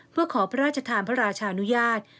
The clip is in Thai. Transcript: เพื่อขอพระราชทานพระราชานุญาต